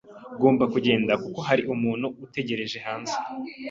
Ngomba kugenda kuko hari umuntu utegereje hanze.